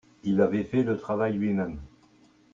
Il avait fait le travail lui-même.